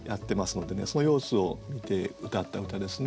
そういう様子を見てうたった歌ですね。